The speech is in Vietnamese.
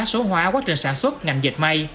số hóa quá trình sản xuất ngành diệt may